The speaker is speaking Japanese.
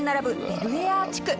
ベル・エア地区。